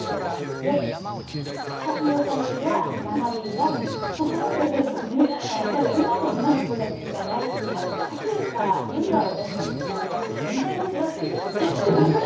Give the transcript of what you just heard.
はい私なら今の女の子たちが大好きなこのタピオカよりは私はもう生ビール飲んじゃいますよっていう歌になりました。